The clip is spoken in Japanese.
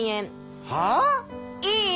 はぁ⁉いい？